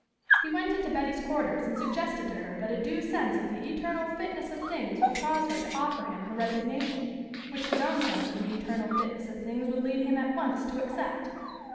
He went into Betty's quarters and suggested to her that a due sense of the eternal fitness of things would cause her to offer him her resignation, which his own sense of the eternal fitness of things would lead him at once to accept.